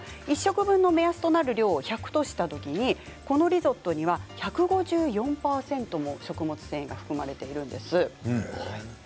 １食分の目安となる量を１００としたときにこのリゾットには１５４％も食物繊維が含まれているんです。